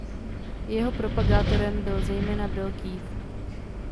Jeho propagátorem byl zejména Bill Keith.